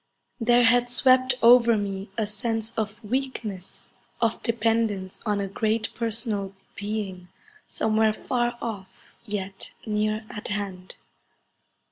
There had swept over me a sense of weakness, of dependence on a great personal Being somewhere far off yet near at hand.